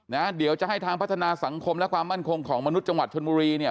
เดี๋ยวจะให้ทางพัฒนาสังคมและความมั่นคงของมนุษย์จังหวัดชนบุรีเนี่ย